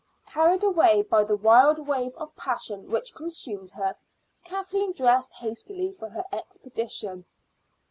Carried away by the wild wave of passion which consumed her, Kathleen dressed hastily for her expedition.